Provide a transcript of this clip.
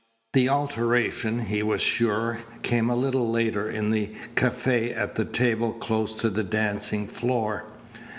The alteration, he was sure, came a little later in the cafe at a table close to the dancing floor.